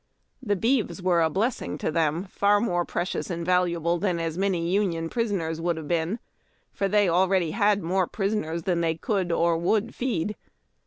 The beeves were a blessing to them, far more precious and valuable than as many Union prisoners would have been ; for they already had more prisoners than they could or would feed.